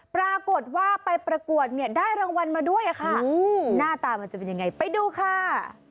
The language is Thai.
ปรากฏว่าไปประกวดเนี่ยได้รางวัลมาด้วยค่ะหน้าตามันจะเป็นยังไงไปดูค่ะ